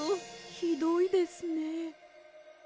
ひどいですね。